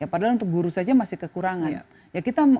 padahal untuk guru saja masih kekurangan